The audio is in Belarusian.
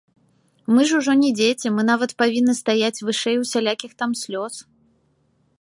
Мы ж ужо не дзеці, мы нават павінны стаяць вышэй усялякіх там слёз.